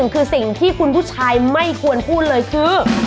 คือสิ่งที่คุณผู้ชายไม่ควรพูดเลยคือ